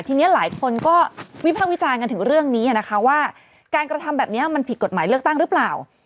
ทีนี้หลายคนก็วิภาควิจารณ์กันถึงเรื่องนี้นะคะว่าการกระทำแบบนี้มันผิดกฎหมายเลือกตั้งหรือเปล่า